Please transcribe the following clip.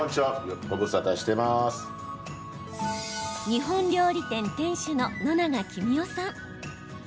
日本料理店店主の野永喜三夫さん。